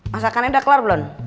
masakannya udah kelar belum